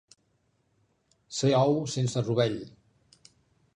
Ser ou sense rovell.